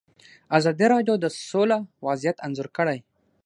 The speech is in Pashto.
ازادي راډیو د سوله وضعیت انځور کړی.